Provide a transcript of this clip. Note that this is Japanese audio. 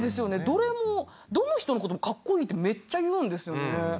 どれもどの人のこともカッコイイってめっちゃ言うんですよね。